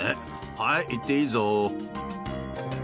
はい、行っていいゾウ。